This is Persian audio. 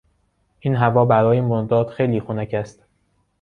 این هوا برای مرداد خیلی خنک است.